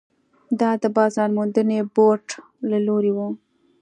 دا د بازار موندنې بورډ له لوري وو.